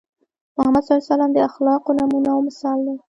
محمد ص د اخلاقو نمونه او مثال دی.